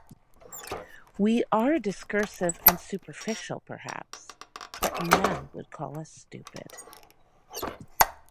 We are discursive and superficial, perhaps, but none would call us stupid.